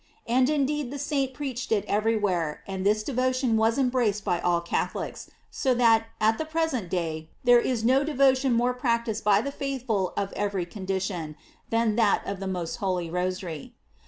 And indeed the saint preach ed it everywhere, and this devotion was em braced by all Catholics, so that, at the present day, there is no devotion more practised by the faithful of every condition, than that of the most holy Rosary.